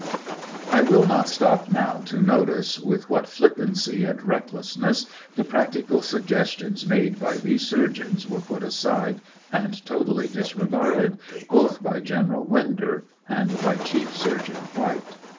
I will not stop now to notice with what flippancy and recklessness the practi cal suggestions made by these surgeons were put aside and totally disregarded, both by General Winder and by Chief Surgeon White.